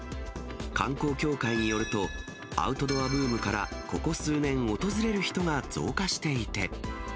観光協会によると、アウトドアブームからここ数年、訪れる人が増加していて。